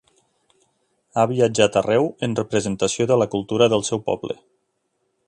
Ha viatjat arreu en representació de la cultura del seu poble.